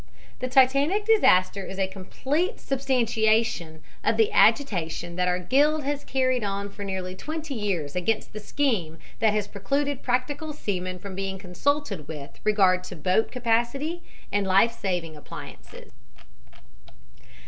"The Titanic disaster is a complete substantiation of the agitation that our guild has carried on for nearly twenty years against the scheme that has precluded practical seamen from being consulted with regard to boat capacity and life saving appliances.